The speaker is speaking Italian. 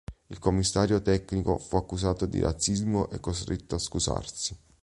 Il commissario tecnico fu accusato di razzismo e costretto a scusarsi.